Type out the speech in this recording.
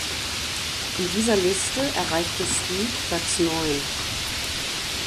In dieser Liste erreichte "Speak" Platz neun.